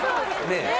ねえ。